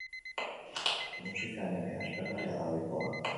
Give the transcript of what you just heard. Musikan ere, aspergarria da ohikoa?